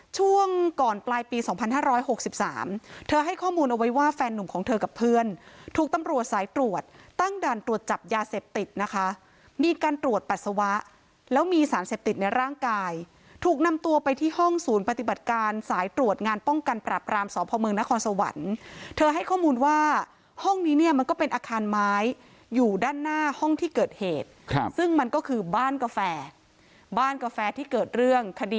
ช่วงก่อนปลายปีสองพันห้าร้อยหกสิบสามเธอให้ข้อมูลเอาไว้ว่าแฟนหนุ่มของเธอกับเพื่อนถูกตำรวจสายตรวจตั้งดันตรวจจับยาเสพติดนะคะมีการตรวจปัสสาวะแล้วมีสารเสพติดในร่างกายถูกนำตัวไปที่ห้องศูนย์ปฏิบัติการสายตรวจงานป้องกันปรับกรามสมพเมืองนครสวรรค์เธอให้ข้อมูลว่าห้องนี้เ